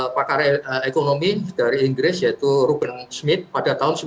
pakar ekonomi dari inggris yaitu ruben smith pada tahun seribu sembilan ratus sembilan puluh